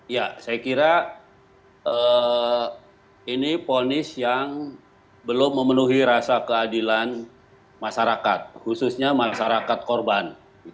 ya saya kira ini ponis yang belum memenuhi rasa keadilan masyarakat khususnya masyarakat korban